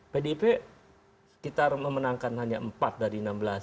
pdip kita memenangkan hanya empat dari enam belas